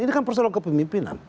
ini kan persoalan kepemimpinan